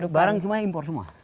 dan barangnya impor semua